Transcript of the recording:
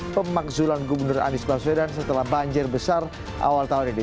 pemakzulan gubernur andi soekarno swedan setelah banjir besar awal tahun ini